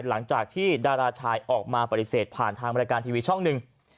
หลังจากที่ดาราชายออกมาปฏิเสธผ่านทางบริการทีวีช่องหนึ่ง